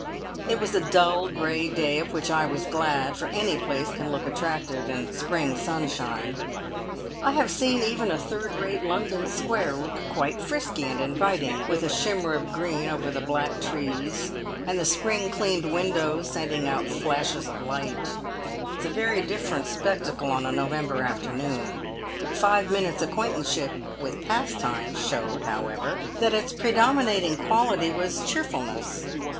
It was a dull, grey day, of which I was glad, for any place can look attractive in spring sunshine. I have seen even a third rate London square look quite frisky and inviting with a shimmer of green over the black trees, and the spring cleaned windows sending out flashes of light; it's a very different spectacle on a November afternoon. Five minutes' acquaintanceship with Pastimes showed, however, that its predominating quality was cheerfulness.